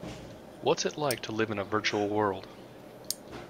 What's it like to live in a virtual world?